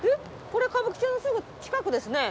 これ歌舞伎座のすぐ近くですね。